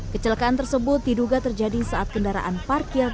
kecelakaan tersebut diduga terjadi saat kendaraan parkir